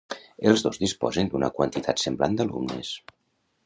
Els dos disposen d'una quantitat semblant d'alumnes.